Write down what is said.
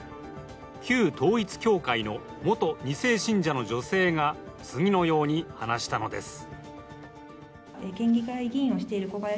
旧統一教会の元２世信者の女性が次のように話したのです。